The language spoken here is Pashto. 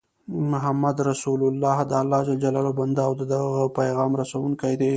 محمد رسول الله دالله ج بنده او د د هغه پیغام رسوونکی دی